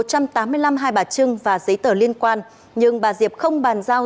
một trăm tám mươi năm hai bà trưng và giấy tờ liên quan nhưng bà diệp không bàn giao